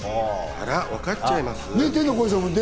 あら、分かっちゃいます？